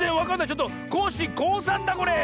ちょっとコッシーこうさんだこれ！